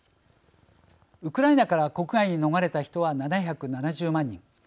ウクライナから国外に逃れた人は７７０万人。